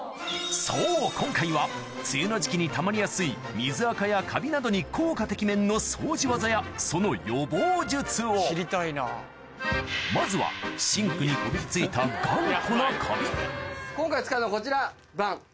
そう今回は梅雨の時期にたまりやすい水アカやカビなどに効果てきめんの掃除技やその予防術をまずはシンクにこびりついたバン！